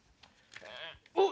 「おっ！